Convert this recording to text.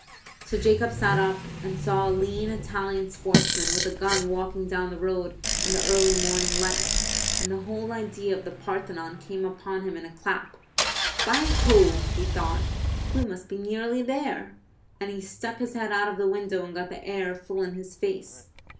So Jacob sat up, and saw a lean Italian sportsman with a gun walking down the road in the early morning light, and the whole idea of the Parthenon came upon him in a clap. "By Jove!" he thought, "we must be nearly there!" and he stuck his head out of the window and got the air full in his face.